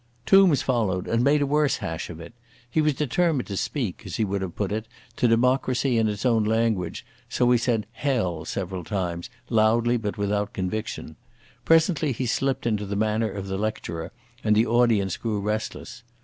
Tombs followed and made a worse hash of it. He was determined to speak, as he would have put it, to democracy in its own language, so he said "hell" several times, loudly but without conviction. Presently he slipped into the manner of the lecturer, and the audience grew restless.